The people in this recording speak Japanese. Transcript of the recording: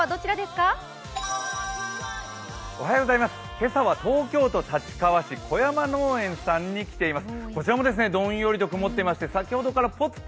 今朝は東京都立川市小山農園さんに来ています。